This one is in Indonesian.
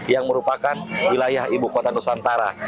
yang merupakan wilayah ibu kota nusantara